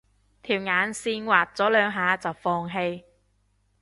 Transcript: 條眼線畫咗兩下就放棄